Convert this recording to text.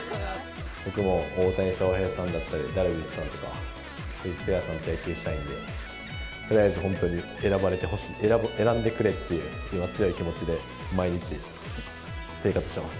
僕も大谷翔平さんだったり、ダルビッシュさんとか鈴木誠也さんと野球したいんで、とりあえず本当に選ばれてほしい、選んでくれっていう強い気持ちで、毎日生活しています。